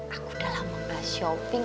aku udah lama gak shopping